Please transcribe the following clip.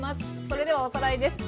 それではおさらいです。